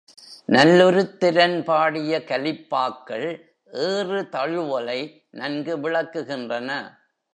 நல்லுருத்திரன் பாடிய கலிப்பாக்கள் ஏறு தழுவலை நன்கு விளக்குகின்றன.